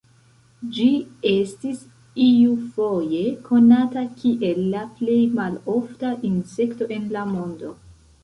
Ĝi estis iufoje konata kiel la plej malofta insekto en la mondo.